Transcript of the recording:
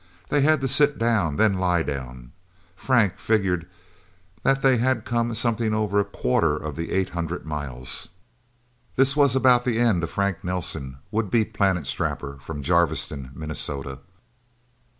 They had to sit down, then lie down. Frank figured that they had come something over a quarter of the eight hundred miles. This was about the end of Frank Nelsen, would be Planet Strapper from Jarviston, Minnesota.